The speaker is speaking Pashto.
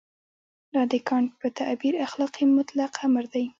دا د کانټ په تعبیر اخلاقي مطلق امر دی.